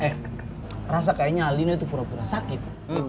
eh rasa kayaknya alina itu pura pura sakit